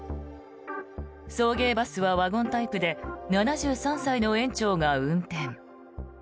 送迎バスはワゴンタイプで７３歳の園長が運転。